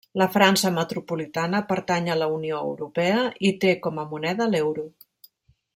La França metropolitana pertany a la Unió Europea i té com a moneda l'euro.